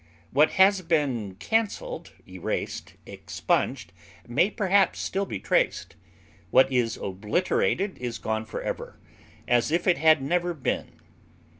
What has been canceled, erased, expunged, may perhaps still be traced; what is obliterated is gone forever, as if it had never been.